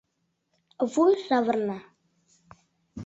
— Вуй савырна.